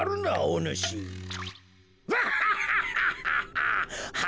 ワハハハ！